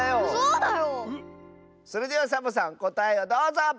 それではサボさんこたえをどうぞ！